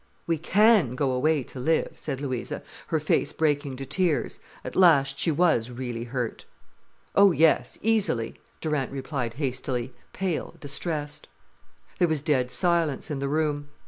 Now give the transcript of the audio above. "We can go away to live," said Louisa, her face breaking to tears. At last she was really hurt. "Oh, yes, easily," Durant replied hastily, pale, distressed. There was dead silence in the room.